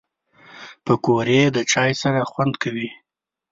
پکورې د چای سره خوند کوي